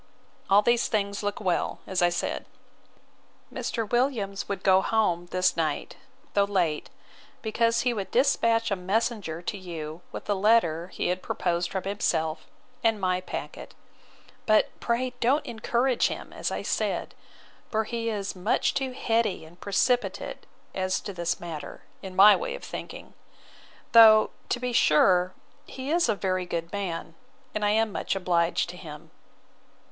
All these things look well, as I said. Mr. Williams would go home this night, though late, because he would despatch a messenger to you with a letter he had proposed from himself, and my packet. But pray don't encourage him, as I said; for he is much too heady and precipitate as to this matter, in my way of thinking; though, to be sure, he is a very good man, and I am much obliged to him.